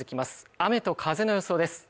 雨と風の予想です